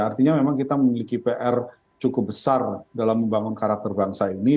artinya memang kita memiliki pr cukup besar dalam membangun karakter bangsa ini